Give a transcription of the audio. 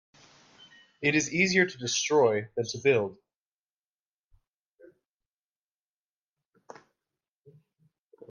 It is easier to destroy than to build.